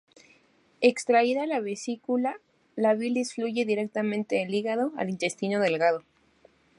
Extraída la vesícula, la bilis fluye directamente del hígado al intestino delgado.